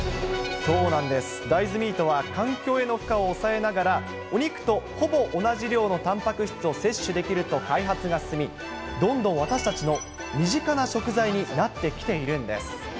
そうなんです、大豆ミートは環境への負荷を抑えながら、お肉とほぼ同じ量のたんぱく質を摂取できると開発が進み、どんどん私たちの身近な食材になってきているんです。